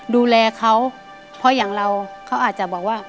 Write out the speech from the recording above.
ดูแลเขาเพราะอย่างเราเขาอาจจะบอกว่า